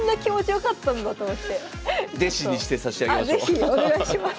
是非お願いします。